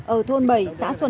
ở thôn bầy